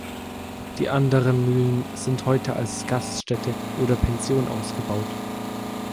Die anderen Mühlen sind heute als Gaststätte oder Pension ausgebaut.